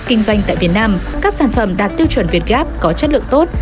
kinh doanh tại việt nam các sản phẩm đạt tiêu chuẩn việt gáp có chất lượng tốt